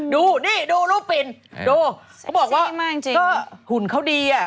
ดูนี่ดูรูปปิ่นดูเขาบอกว่าจริงก็หุ่นเขาดีอ่ะ